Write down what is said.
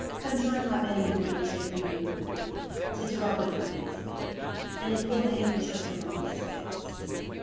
Come, join my band and range the greenwood with me. Tis Robin Hood bids thee!" And he pulled the kerchief from off his face.